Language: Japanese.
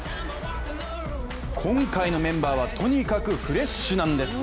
今回のメンバーはとにかくフレッシュなんです。